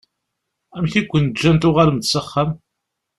Amek i aken-ǧǧan tuɣalem-d s axxam?